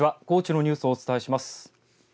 高知のニュースをお伝えします。